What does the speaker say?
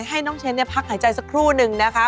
ให้น้องเชนพักหายใจสักครู่นึงนะคะ